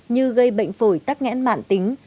như gây bệnh phổi tắc nghẽn mạng tính